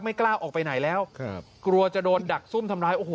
กล้าออกไปไหนแล้วครับกลัวจะโดนดักซุ่มทำร้ายโอ้โห